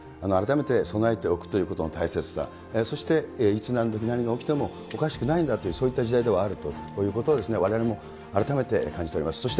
改めて備えておくということの大切さ、そしていつ何時、何が起きても、おかしくないんだという、そういった時代ではあるんだということですね、われわれも改めて感じております。